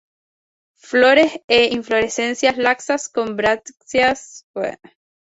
Flores en inflorescencias laxas con brácteas foliares verdes.